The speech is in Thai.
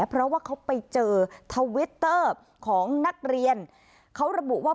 เพราะว่าเขาไปเจอทวิตเตอร์ของนักเรียนเขาระบุว่า